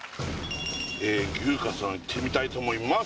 牛花さんいってみたいと思います